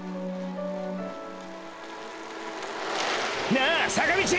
なぁ坂道！！